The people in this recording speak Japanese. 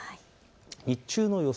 日中の予想